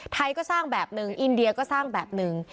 ไทยก็สร้างแบบหนึ่งอินเดียก็สร้างแบบหนึ่ง